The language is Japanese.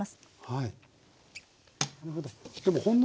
はい。